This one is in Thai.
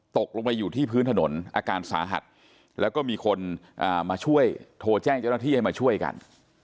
ตกลงไปอยู่ที่พื้นถนนอาการสาหัสแล้วก็มีคนมาช่วยโทรแจ้งเจ้าหน้าที่ให้มาช่วยกัน